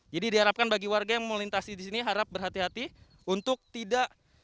jadi diharapkan bagi warga yang melintasi di sini harap berhati hati untuk tidak